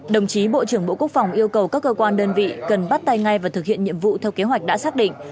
đồng chí bộ trưởng bộ quốc phòng yêu cầu các cơ quan đơn vị cần bắt tay ngay và thực hiện nhiệm vụ theo kế hoạch đã xác định